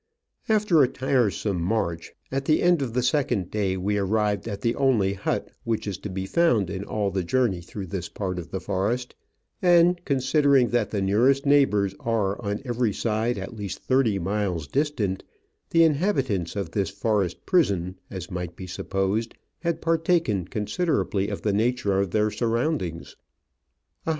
After a tirer some march, at the end of the second day we arrived at the only hut which is to be found in all the journey through this part of the forest — and, considering that the nearest neighbours are on every side at least thirty miles distant, the inhabitants of this forest prison, as might be supposed, Tiad partaken consider^ ably of the nature of their surroundings — a hut of Digitized by VjOOQIC COLOMBIAN FOREST SCENE.